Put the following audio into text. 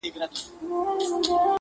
• دا څنګه چل دی د ژړا او د خندا لوري_